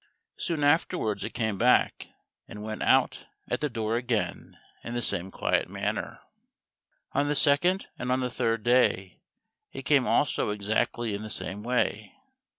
Soon afterwards it came back, and went out at the door again in the same quiet manner. On the second and on the third day, it came also exactly in the same way.